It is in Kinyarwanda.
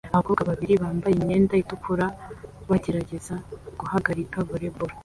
Abakobwa babiri bambaye imyenda itukura bagerageza guhagarika volley ball